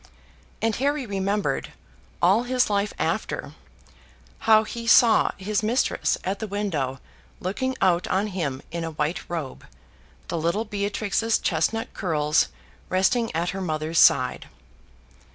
And Harry remembered, all his life after, how he saw his mistress at the window looking out on him in a white robe, the little Beatrix's chestnut curls resting at her mother's side.